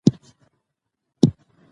صحابه به ستونزې هغې ته وړاندې کولې.